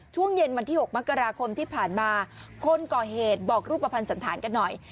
ช่วงเย็นวันที่๖มกราคมที่ผ่านมาคนก่อเหตุบอกรูปภัณฑ์สันธารกันหน่อย